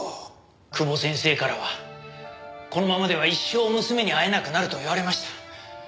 久保先生からはこのままでは一生娘に会えなくなると言われました。